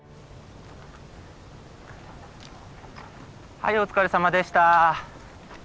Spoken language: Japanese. はいお疲れさまでした。